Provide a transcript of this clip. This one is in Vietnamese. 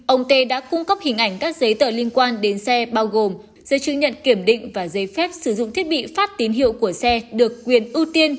ông tê đã cung cấp hình ảnh các giấy tờ liên quan đến xe bao gồm giấy chứng nhận kiểm định và giấy phép sử dụng thiết bị phát tín hiệu của xe được quyền ưu tiên